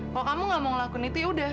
kalau kamu gak mau ngelakuin itu ya udah